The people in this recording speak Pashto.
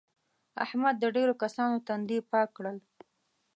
احمد د ډېرو کسانو تندي پاک کړل.